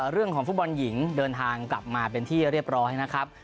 เรื่องของฟุตบอลหญิงเดินทางกลับมาเป็นที่เรียบร้อยนะครับ